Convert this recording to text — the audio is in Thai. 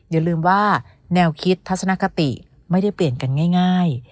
อย่าลืมว่าแนวคิดทัศนคติไม่ได้เปลี่ยนกันง่าย